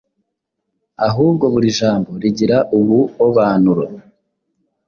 ahubwo buri Jambo rigira ubuobanuro